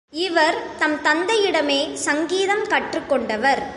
இவர் தம் தந்தையிடமே சங்கீதம் கற்றுக் கொண்டவர்.